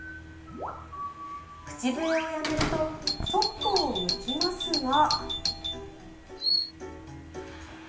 口笛をやめるとそっぽを向きますが。